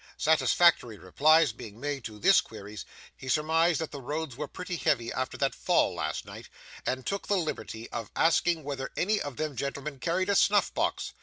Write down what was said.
Satisfactory replies being made to these queries, he surmised that the roads were pretty heavy arter that fall last night, and took the liberty of asking whether any of them gentlemen carried a snuff box.